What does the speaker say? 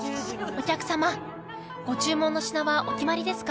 お客様ご注文の品はお決まりですか？